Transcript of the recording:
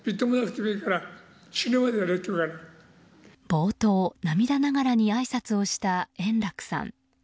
冒頭、涙ながらにあいさつをした円楽さん。